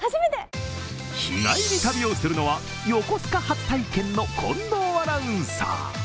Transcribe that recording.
日帰り旅をするのは横須賀初が意見の近藤アナウンサー。